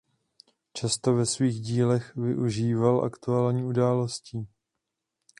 Často ve svých dílech využíval aktuálních událostí.